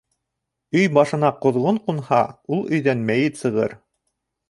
Өй башына ҡоҙғон ҡунһа, ул өйҙән мәйет сығыр.